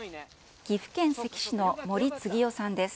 岐阜県関市の森次男さんです。